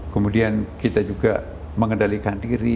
kemudian kita juga mengendalikan diri